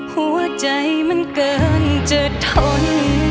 หัวใจมันเกินจะทน